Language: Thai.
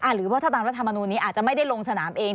หรือว่าถ้าตามรัฐมนูลนี้อาจจะไม่ได้ลงสนามเอง